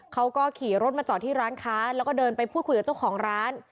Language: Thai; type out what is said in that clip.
เขาก็ขี่รถมาจอดที่ร้านค้าแล้วก็เดินไปพูดคุยกับเจ้าของร้าน